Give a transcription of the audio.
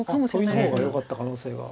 トビの方がよかった可能性が。